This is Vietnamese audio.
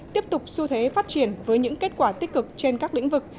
tiếp tục xu thế phát triển với những kết quả tích cực trên các lĩnh vực